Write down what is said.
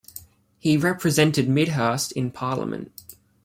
He represented Midhurst in Parliament.